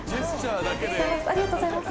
ありがとうございます。